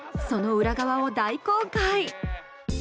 その裏側を大公開！